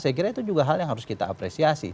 saya kira itu juga hal yang harus kita apresiasi